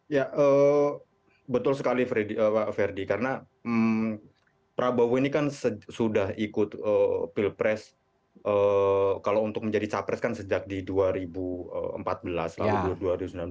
ya betul sekali pak ferdi karena prabowo ini kan sudah ikut pilpres kalau untuk menjadi capres kan sejak di dua ribu empat belas lalu dua ribu sembilan belas